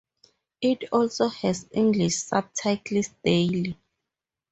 It also has English subtitles daily.